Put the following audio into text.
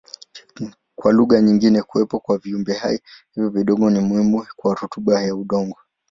Kwa lugha nyingine kuwepo kwa viumbehai hivi vidogo ni muhimu kwa rutuba ya udongo.